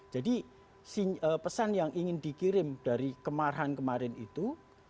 jadi pesan yang ingin dikirim dari kemarahan kemarin itu